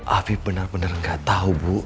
afif benar benar gak tau bu